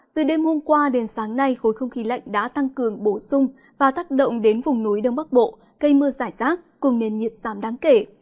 từ đêm hôm qua đến sáng nay khối không khí lạnh đã tăng cường bổ sung và tác động đến vùng núi đông bắc bộ cây mưa rải rác cùng nền nhiệt giảm đáng kể